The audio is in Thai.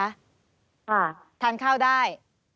ค่ะทานข้าวได้